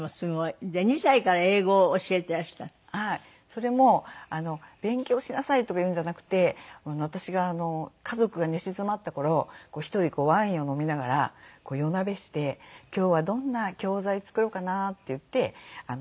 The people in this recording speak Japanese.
それも「勉強しなさい」とか言うんじゃなくて私が家族が寝静まった頃１人ワインを飲みながら夜なべして「今日はどんな教材作ろうかな？」っていって教材を作って。